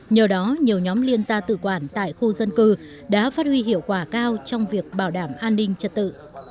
nhờ đó nhiều nhóm liên gia tự quản tại khu dân cư đã phát huy hiệu quả cao trong việc bảo đảm an ninh trật tự